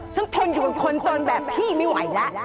ทนอยู่กับคนจนแบบพี่ไม่ไหวแล้ว